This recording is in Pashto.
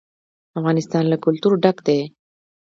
افغانستان له کلتور ډک دی.